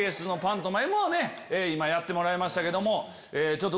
今やってもらいましたけども。